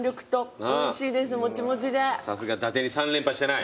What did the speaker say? さすがだてに３連覇してない？